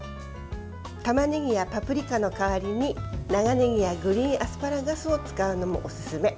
たまねぎやパプリカの代わりに長ねぎやグリーンアスパラガスを使うのもおすすめ。